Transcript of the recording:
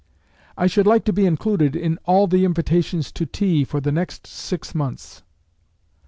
"I should like to be included in all the invitations to tea for the next six months."